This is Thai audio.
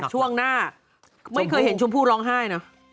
ช่วงหน้าไม่เคยเห็นชมพู่ร้องไห้นะ